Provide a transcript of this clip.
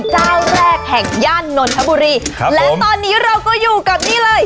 เจ้าแรกแห่งย่านนทบุรีครับและตอนนี้เราก็อยู่กับนี่เลย